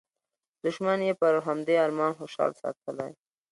دوښمن یې پر همدې ارمان خوشحال ساتلی.